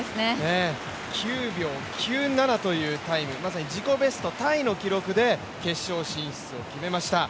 ９秒９７というタイム、まさに自己ベストタイの記録で決勝進出を決めました。